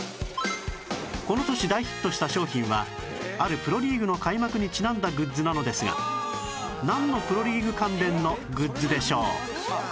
この年大ヒットした商品はあるプロリーグの開幕にちなんだグッズなのですがなんのプロリーグ関連のグッズでしょう？